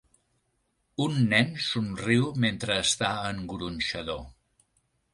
Un nen somriu mentre està en gronxador.